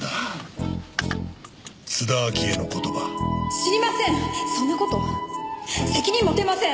知りません！